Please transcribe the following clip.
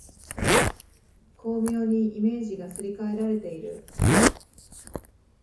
巧妙にイメージがすり替えられている